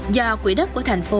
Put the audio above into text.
do quỹ đất của thành phố